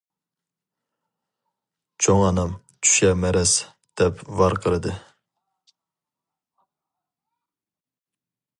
چوڭ ئانام «چۈشە مەرەز» دەپ ۋارقىرىدى.